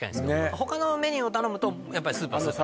他のメニューを頼むとやっぱりスープはスープです